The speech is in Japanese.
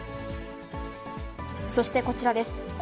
そしてこちらです。